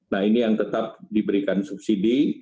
nah ini yang tetap diberikan subsidi